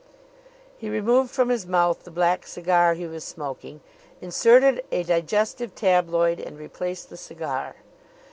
He removed from his mouth the black cigar he was smoking, inserted a digestive tabloid, and replaced the cigar.